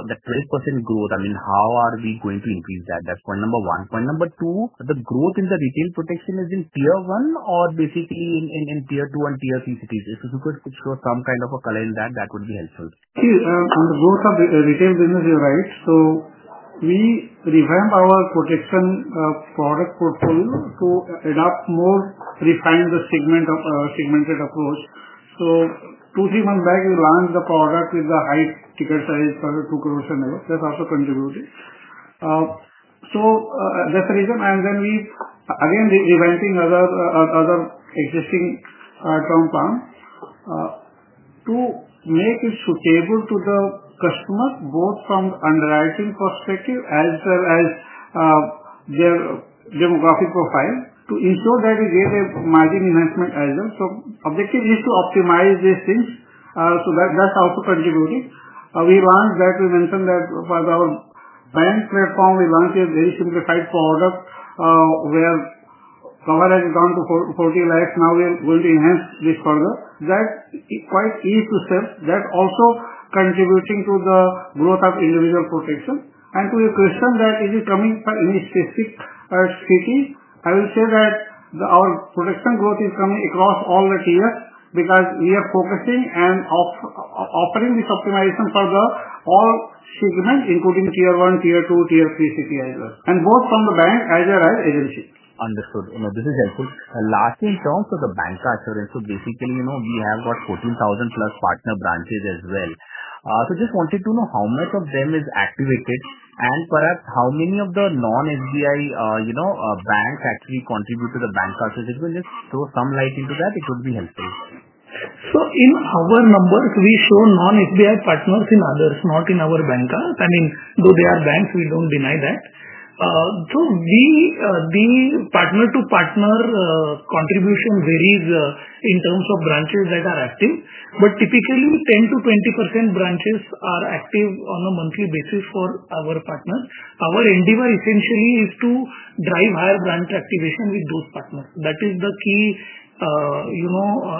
The 12% growth, I mean, how are we going to increase that? That is point number one. Point number two, the growth in the retail protection is in tier one or basically in tier two and tier three cities? If you could show some kind of a color in that, that would be helpful. See, on the growth of the retail business, you are right. We revamped our protection product portfolio to adopt a more refined segmented approach. Two, three months back, we launched the product with the high ticket size, 2 crorers above. That has also contributed. That is the reason. We are again revamping other existing term plan to make it suitable to the customer, both from the underwriting perspective as well as their demographic profile, to ensure that we get a margin enhancement as well. The objective is to optimize these things. That is also contributing. We launched that. We mentioned that for our bank platform, we launched a very simplified product where coverage has gone to 40 lakhs. Now we are going to enhance this further. That is quite easy to sell. That is also contributing to the growth of individual protection. To your question, is it coming for any specific city? I will say that our protection growth is coming across all the tiers because we are focusing and offering this optimization for all segments, including tier one, tier two, tier three cities as well, and both from the bank as well as agency. Understood. This is helpful. Lastly, in terms of the bancassurance, we have got 14,000-plus partner branches as well. I just wanted to know how much of them is activated and perhaps how many of the non-SBI banks actually contribute to the bancassurance. If you can just throw some light into that, it would be helpful. In our numbers, we show non-SBI partners in others, not in our bankers. I mean, though they are banks, we do not deny that. The partner-to-partner contribution varies in terms of branches that are active. But typically, 10-20% branches are active on a monthly basis for our partners. Our endeavor essentially is to drive higher branch activation with those partners. That is the key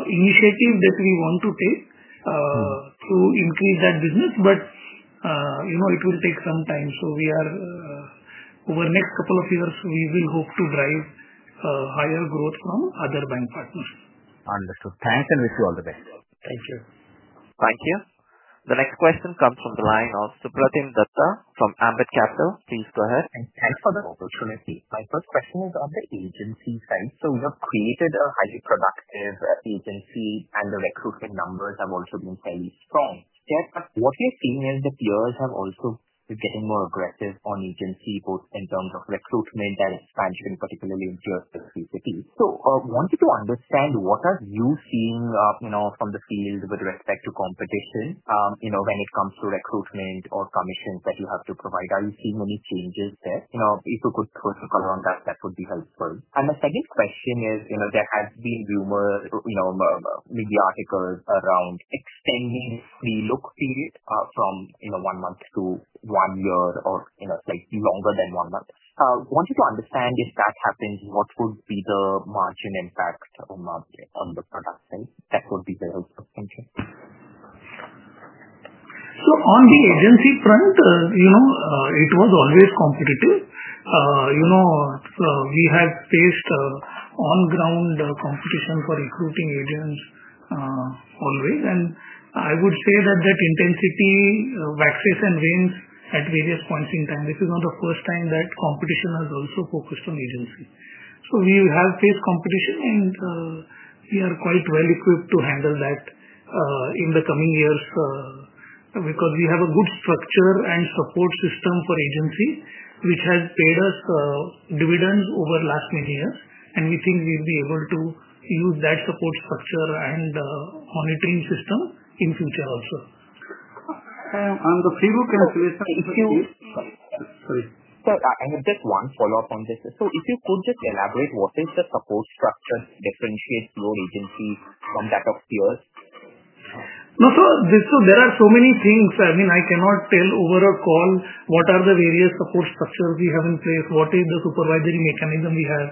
initiative that we want to take to increase that business. It will take some time. Over the next couple of years, we will hope to drive higher growth from other bank partners. Understood. Thanks, and wish you all the best. Thank you. Thank you. The next question comes from the line of Supratim Datta from Ambit Capital. Please go ahead. Thanks for the opportunity. My first question is on the agency side. You have created a highly productive agency, and the recruitment numbers have also been fairly strong. What we are seeing is the peers have also been getting more aggressive on agency, both in terms of recruitment and expansion, particularly in tier six cities. I wanted to understand, what are you seeing from the field with respect to competition when it comes to recruitment or commissions that you have to provide? Are you seeing any changes there? If you could first color on that, that would be helpful. The second question is there have been rumors, media articles around extending the free-look period from one month to one year or slightly longer than one month. I wanted to understand, if that happens, what would be the margin impact on the product side? That would be very helpful. Thank you. On the agency front, it was always competitive. We have faced on-ground competition for recruiting agents, always. I would say that that intensity waxes and wanes at various points in time. This is not the first time that competition has also focused on agency. We have faced competition, and we are quite well-equipped to handle that in the coming years because we have a good structure and support system for agency, which has paid us dividends over the last many years. We think we'll be able to use that support structure and monitoring system in the future also. On the free-look and cancellation. Sorry. I have just one follow-up on this. If you could just elaborate, what is the support structure that differentiates your agency from that of peers? There are so many things. I mean, I cannot tell over a call what are the various support structures we have in place, what is the supervisory mechanism we have.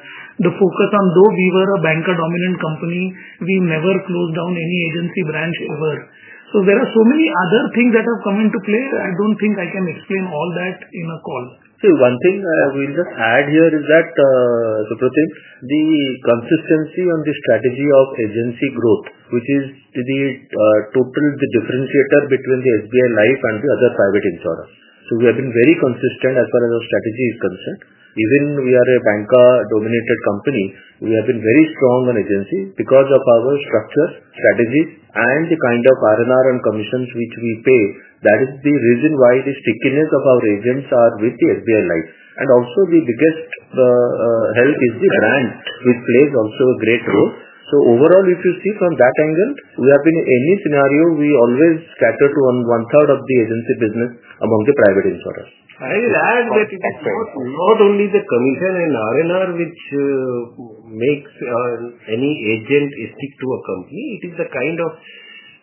The focus on, though we were a banker-dominant company, we never closed down any agency branch ever. There are so many other things that have come into play. I don't think I can explain all that in a call. One thing I will just add here is that, Supratim, the consistency on the strategy of agency growth, which is the total, the differentiator between the SBI Life and the other private insurers. We have been very consistent as far as our strategy is concerned. Even though we are a banker-dominated company, we have been very strong on agency because of our structure, strategies, and the kind of R&R and commissions which we pay. That is the reason why the stickiness of our agents is with SBI Life. Also, the biggest help is the brand, which plays a great role. Overall, if you see from that angle, in any scenario, we always scatter to 1/3 of the agency business among the private insurers. I will add that it is not only the commission and R&R which make any agent stick to a company. It is the kind of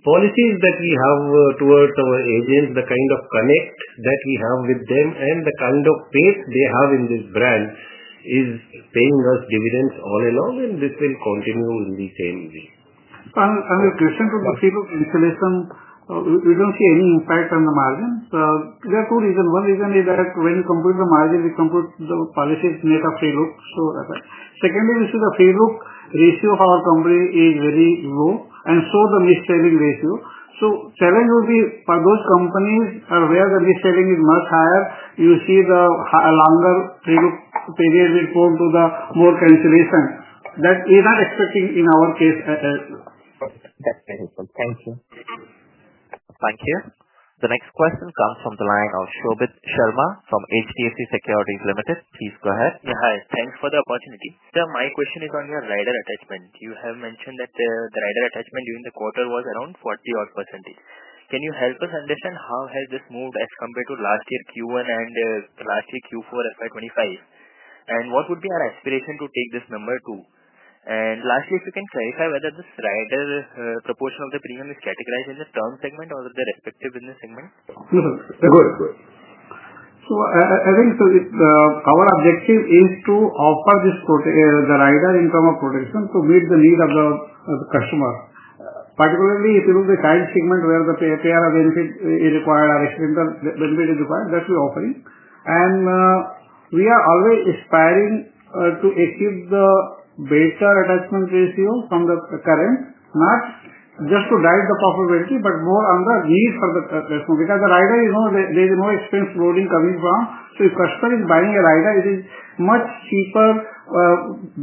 policies that we have towards our agents, the kind of connect that we have with them, and the kind of faith they have in this brand is paying us dividends all along. This will continue in the same way. The question from the free-look installation, we do not see any impact on the margins. There are two reasons. One reason is that when you compute the margin, we compute the policies made of free-look. That is it. Secondly, we see the free-look ratio of our company is very low, and so is the mis-selling ratio. The challenge will be for those companies where the mis-selling is much higher. You see, the longer free-look period will go into more cancellation. That we are not expecting in our case. That is very useful. Thank you. Thank you. The next question comes from the line of Shobhit Sharma from HDFC Securities Limited. Please go ahead. Yeah. Hi. Thanks for the opportunity. Sir, my question is on your rider attachment. You have mentioned that the rider attachment during the quarter was around 40-odd %. Can you help us understand how this has moved as compared to last year Q1 and last year Q4 FY 2025? What would be our aspiration to take this number to? Lastly, if you can clarify whether this rider proportion of the premium is categorized in the term segment or the respective business segment? Good. Good. I think our objective is to offer the rider in terms of protection to meet the need of the customer. Particularly, if it was the term segment where the payer benefit is required or extreme benefit is required, that we are offering. We are always aspiring to achieve a better attachment ratio from the current, not just to drive the profitability, but more on the need for the customer. Because the rider, there is no expense loading coming from. If the customer is buying a rider, it is a much cheaper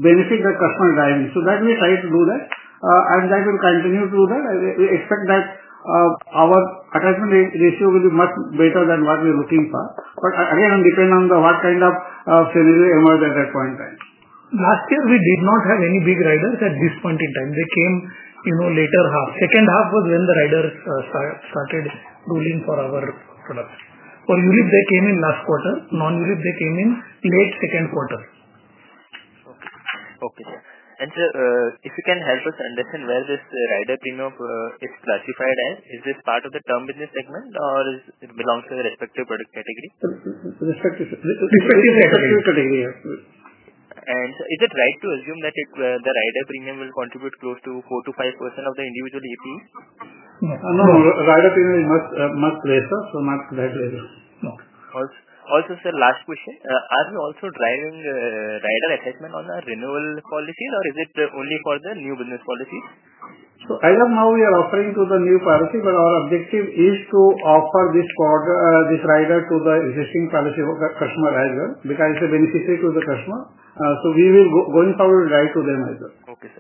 benefit that the customer is driving. We try to do that, and we will continue to do that. We expect that our attachment ratio will be much better than what we are looking for. But again, it depends on what kind of scenario emerges at that point in time. Last year, we did not have any big riders at this point in time. They came later half. Second half was when the riders started ruling for our products. For ULIP, they came in last quarter. Non-ULIP, they came in late second quarter. Okay. Okay, sir. Sir, if you can help us understand where this rider premium is classified as, is this part of the term business segment, or it belongs to the respective product category? Respective category. Respective category, yeah. Is it right to assume that the rider premium will contribute close to 4%-5% of the individual APE? No. Rider premium is much lesser, so much less. Okay. Also, sir, last question. Are you also driving rider attachment on the renewal policies, or is it only for the new business policies? As of now, we are offering to the new policy, but our objective is to offer this rider to the existing policy customer as well because it is beneficial to the customer. We will, going forward, drive to them as well. Okay, sir.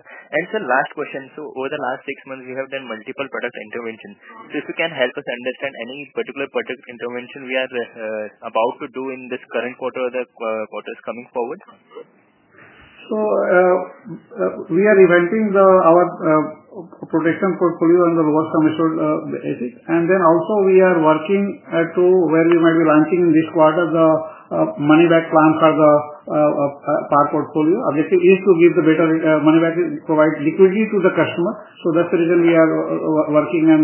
Sir, last question. Over the last six months, we have done multiple product interventions. If you can help us understand any particular product intervention we are about to do in this current quarter or the quarters coming forward. We are inventing our protection portfolio on the lowest commission basis. Also, we are working to where we might be launching in this quarter the money-back plan for the PAR portfolio. The objective is to give the better money back, provide liquidity to the customer. That is the reason we are working on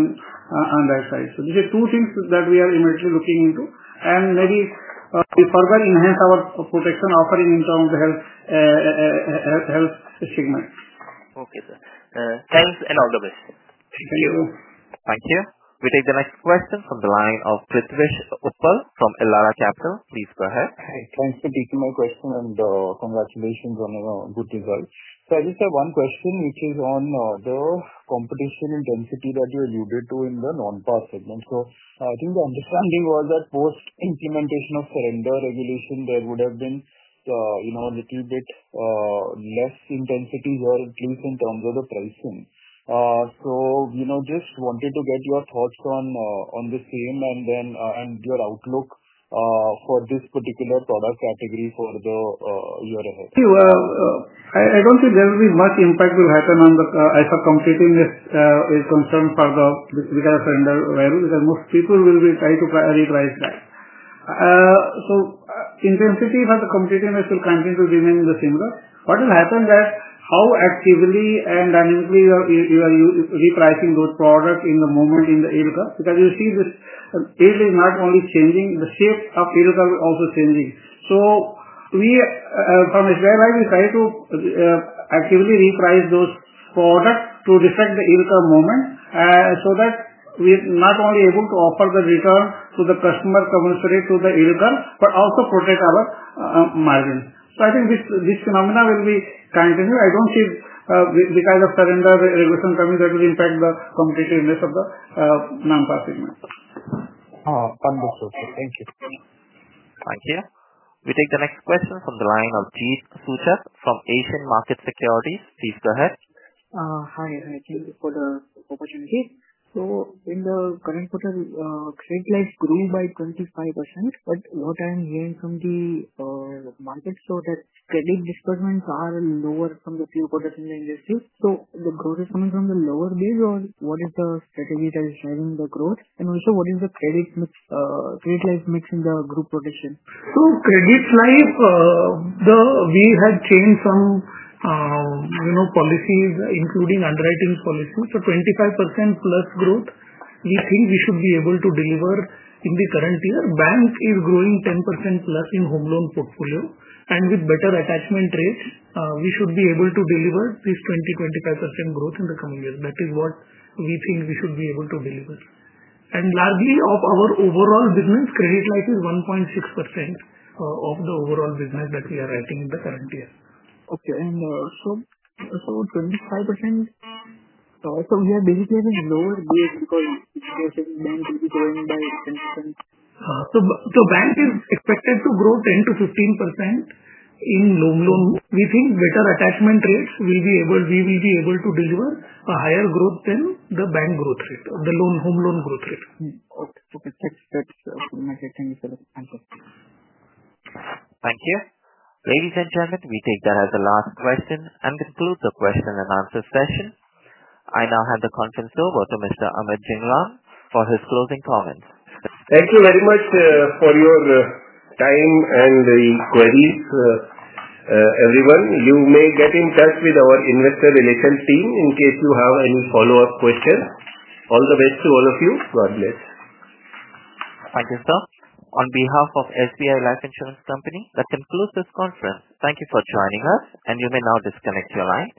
that side. These are two things that we are immediately looking into. Maybe we further enhance our protection offering in terms of the health segment. Okay, sir. Thanks and all the best. Thank you. Thank you. We take the next question from the line of Prithvish Uppal from Elara Capital. Please go ahead. Thanks for taking my question and congratulations on a good result. I just have one question, which is on the competition intensity that you alluded to in the non-PAR segment. I think the understanding was that post-implementation of surrender regulation, there would have been a little bit less intensity, or at least in terms of the pricing. Just wanted to get your thoughts on the same and your outlook for this particular product category for the year ahead. See, I do not think there will be much impact will happen as far as competitiveness is concerned because of surrender value, because most people will be trying to retrice that. Intensity for the competitiveness will continue to remain the same. What will happen is how actively and dynamically you are retricing those products in the moment in the yield curve? Because you see this yield curve is not only changing. The shape of yield curve is also changing. From SBI, we try to actively retrace those products to deflect the yield curve movement so that we are not only able to offer the return to the customer compensated to the yield curve, but also protect our margin. I think this phenomenon will be continued. I do not see because of surrender regulation coming that will impact the competitiveness of the non-PAR segment. Understood. Thank you. Thank you. We take the next question from the line of Jeet Suchat from Asian Market Securities. Please go ahead. Hi. Thank you for the opportunity. In the current quarter, Credit Life grew by 25%. What I am hearing from the market is that credit disbursements are lower from the few quarters in the industry. The growth is coming from the lower base, or what is the strategy that is driving the growth? Also, what is the credit life mix in the group protection? Credit life, we have changed some policies, including underwriting policy. 25% plus growth, we think we should be able to deliver in the current year. Bank is growing 10% plus in home loan portfolio. With better attachment rate, we should be able to deliver this 20-25% growth in the coming year. That is what we think we should be able to deliver. Largely of our overall business, credit life is 1.6% of the overall business that we are writing in the current year. Okay. 25%. We are basically at a lower base because bank will be growing by 10%. Bank is expected to grow 10%-15%. In home loan, we think better attachment rates, we will be able to deliver a higher growth than the bank growth rate, the home loan growth rate. Okay. Okay. Thanks. Thank you. Thank you. Ladies and gentlemen, we take that as the last question and conclude the question and answer session. I now hand the conference over to Mr. Amit Jhingran for his closing comments. Thank you very much for your time and the queries. Everyone, you may get in touch with our investor relations team in case you have any follow-up questions. All the best to all of you. God bless. Thank you, sir. On behalf of SBI Life Insurance Company Limited, that concludes this conference. Thank you for joining us, and you may now disconnect your line.